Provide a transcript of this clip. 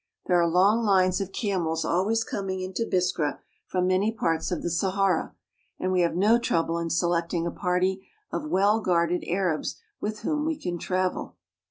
There are long lines of camels always coming into Biskra from many parts of the Sahara, and we have no trouble in selecting a party of well guarded Arabs with whom we can travel.